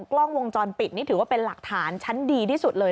กล้องวงจรปิดนี่ถือว่าเป็นหลักฐานชั้นดีที่สุดเลย